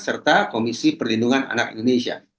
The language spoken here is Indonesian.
serta komisi perlindungan anak indonesia